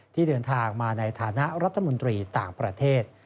ที่เดินทางมาในฐานะรัฐมนตรีต่างประเทศ